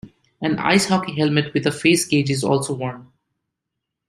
An ice-hockey helmet with a face cage is also worn.